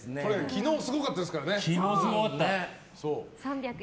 昨日、すごかったですからね。